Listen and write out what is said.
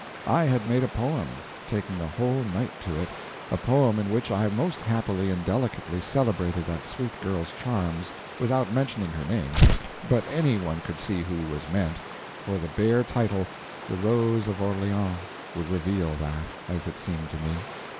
I had made a poem, taking a whole night to it—a poem in which I most happily and delicately celebrated that sweet girl's charms, without mentioning her name, but any one could see who was meant; for the bare title—"The Rose of Orleans"—would reveal that, as it seemed to me.